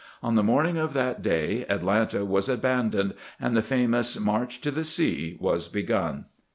On the morning of that day Atlanta was abandoned, and the famous march to the sea was begun.